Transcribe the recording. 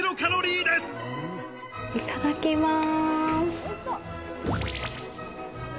いただきます。